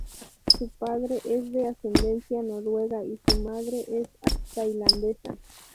Su padre es de ascendencia noruega, y su madre es tailandesa.